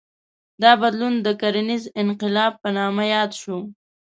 دا بدلون د کرنیز انقلاب په نامه یاد شو.